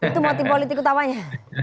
itu motif politik utamanya